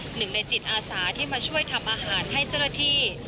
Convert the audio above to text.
หนึ่งในจิตอาสาที่มาช่วยทำอาหารให้เจ้าหน้าที่